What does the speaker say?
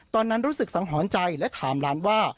ตอนนั้นรู้สึกสังหรณ์ใจและถามหลานว่า